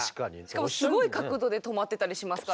しかもすごい角度で止まってたりしますからね。